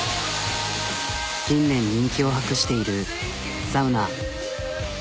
近年人気を博しているサウナ。